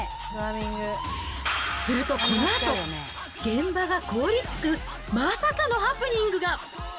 するとこのあと、現場が凍りつくまさかのハプニングが。